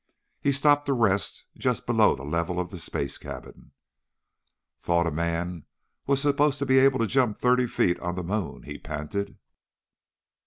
He stopped to rest just below the level of the space cabin. "Thought a man was supposed to be able to jump thirty feet on the moon," he panted.